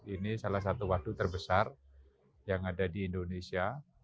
ini salah satu waduk terbesar yang ada di indonesia